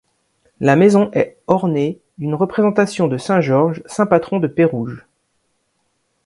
La maison est ornée d'une représentation de Saint-Georges, saint patron de Pérouges.